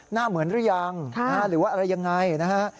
หน้าเหมือนหรือยังหรือว่าอะไรยังไงนะฮะ